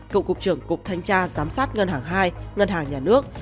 cựu cục trưởng cục thanh tra giám sát ngân hàng hai ngân hàng nhà nước